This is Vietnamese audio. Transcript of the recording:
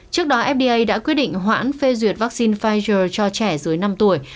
trước đó fda đã quyết định hoãn phê duyệt vaccine pfizer cho trẻ dưới năm tuổi